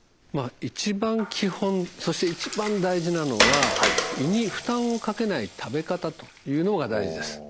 一番基本そして一番大事なのは胃に負担をかけない食べ方というのが大事です。